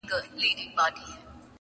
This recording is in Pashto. عِلم حاصلېږي مدرسو او مکتبونو کي.